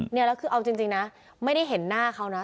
แล้วคือเอาจริงนะไม่ได้เห็นหน้าเขานะ